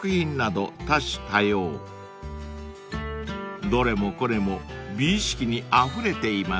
［どれもこれも美意識にあふれています］